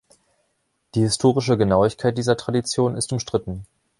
Die historische Genauigkeit dieser Tradition ist umstritten.